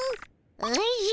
おじゃ！